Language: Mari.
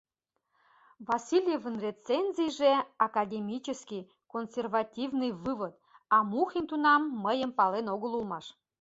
Васильевын рецензийже — академический, консервативный вывод, а Мухин тунам мыйым пален огыл улмаш.